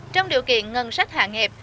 trong điều kiện ngân sách hạng hẹp